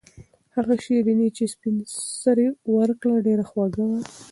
هغه شیرني چې سپین سرې ورکړه ډېره خوږه وه.